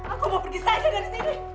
aku mau pergi saja dari sini